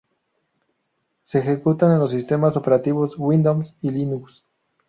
Se ejecuta en los sistemas operativos Windows y Linux.